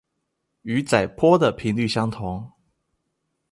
與載波的頻率相同